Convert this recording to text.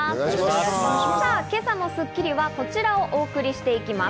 今朝の『スッキリ』はこちらをお送りしていきます。